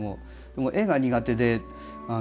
でも絵が苦手で。